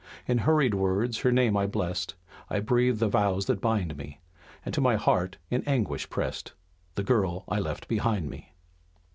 In hurried words her name I blessed, I breathed the vows that bind me And to my heart in anguish pressed The girl I left behind me."